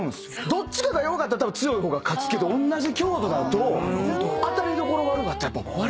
どっちかが弱かったらたぶん強い方が勝つけどおんなじ強度だと当たり所が悪かったら割れる。